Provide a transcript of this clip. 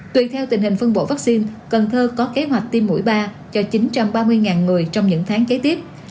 tùy theo tình hình phân bổ vaccine cần thơ có kế hoạch tiêm mũi ba cho chín trăm ba mươi người trong những tháng kế tiếp